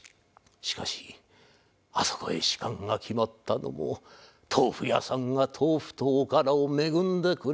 しかしあそこへ仕官が決まったのも豆腐屋さんが豆腐とおからを恵んでくれたからである。